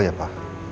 oh ya pa